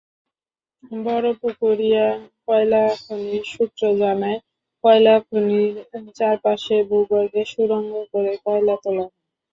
বড়পুকুরিয়া কয়লাখনি সূত্র জানায়, কয়লাখনির চারপাশে ভূগর্ভে সুড়ঙ্গ করে কয়লা তোলা হয়।